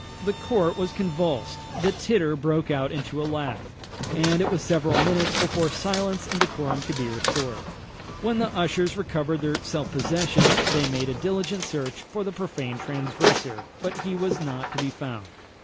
The court was convulsed; the titter broke out into a laugh; and it was several minutes before silence and decorum could be restored. When the ushers recovered their self possession, they made diligent search for the profane transgressor; but he was not to be found.